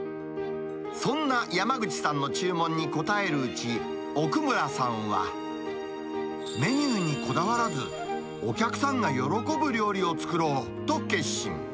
そんな山口さんの注文に応えるうち、奥村さんは、メニューにこだわらず、お客さんが喜ぶ料理を作ろうと決心。